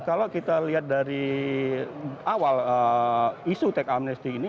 kalau kita lihat dari awal isu teks amnesty ini